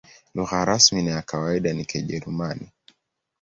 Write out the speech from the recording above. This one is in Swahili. Lugha rasmi na ya kawaida ni Kijerumani.